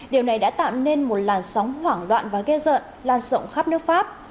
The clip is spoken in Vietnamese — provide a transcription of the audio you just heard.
điều này đã tạo nên một làn sóng hoảng đoạn và ghê rợn lan rộng khắp nước pháp